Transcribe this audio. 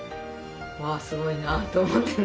わあすごいなと思ってね。